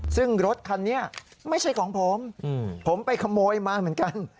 ซึ่งรถคันนี้ไม่ใช่ของผมผมไปขโมยมาเหมือนกัน